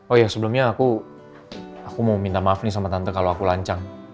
oh ya sebelumnya aku mau minta maaf nih sama tante kalau aku lancang